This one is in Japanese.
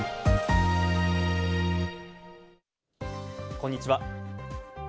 こんにちは。